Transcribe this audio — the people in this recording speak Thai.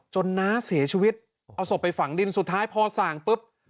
น้าเสียชีวิตเอาศพไปฝังดินสุดท้ายพอส่างปุ๊บ